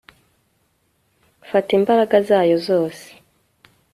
Fata imbaraga zayo zose